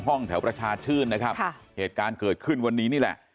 ห้องแถวประชาชื่นนะครับค่ะเหตุการณ์เกิดขึ้นวันนี้นี่แหละ